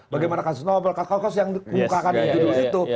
bagaimana kasus nobel kasus yang di buka kan itu dulu itu